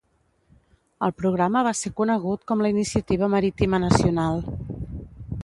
El programa va ser conegut com la Iniciativa Marítima Nacional.